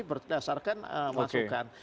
jadi berdasarkan masukan